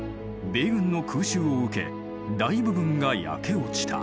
米軍の空襲を受け大部分が焼け落ちた。